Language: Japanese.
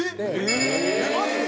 マジで？